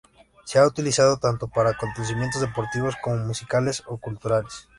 Se ha utilizado tanto para acontecimientos deportivos como musicales o culturales.